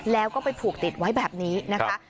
แล้วก็ไปผูกติดไว้แบบนี้นะคะ